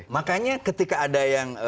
makanya ketika ada yang